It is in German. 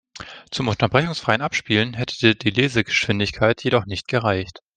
Zum unterbrechungsfreien Abspielen hätte die Lesegeschwindigkeit jedoch nicht gereicht.